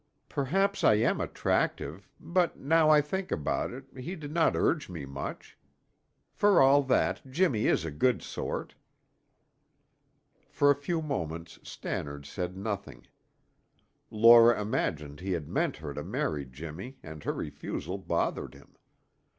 "Perhaps I am attractive; but now I think about it, he did not urge me much. For all that, Jimmy is a good sort." For a few moments Stannard said nothing. Laura imagined he had meant her to marry Jimmy and her refusal bothered him.